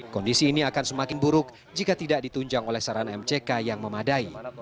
kondisi ini akan semakin buruk jika tidak ditunjang oleh saran mck yang memadai